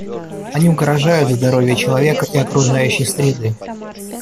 Они угрожают здоровью человека и окружающей среды.